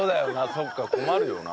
そっか困るよな。